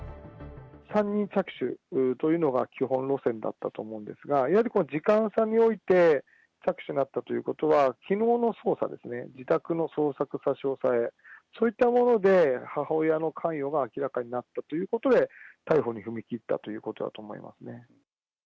３人着手というのが基本路線だったと思うんですが、やはり時間差において着手があったということは、きのうの捜査ですね、自宅の捜索、差し押さえ、そういったもので母親の関与が明らかになったということで、逮捕に踏み切ったということだと思いますね。